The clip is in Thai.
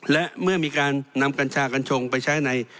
และเมื่อมีการนำกัญชากัญชงไปใช้ใน